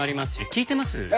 聞いてます？